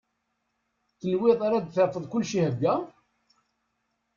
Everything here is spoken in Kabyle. Tenwiḍ ad d-tafeḍ kullec ihegga?